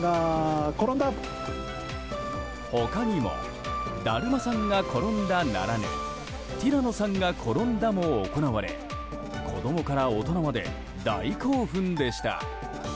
他にもだるまさんが転んだならぬティラノさんが転んだも行われ子供から大人まで大興奮でした。